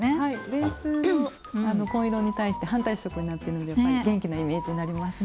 ベースの紺色に対して反対色になっているのでやっぱり元気なイメージになりますね。